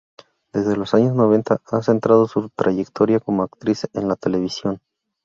Desde los años noventa, ha centrado su trayectoria como actriz en la televisión.